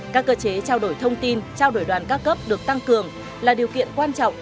các cơ chế trao đổi thông tin trao đổi đoàn các cấp được tăng cường là điều kiện quan trọng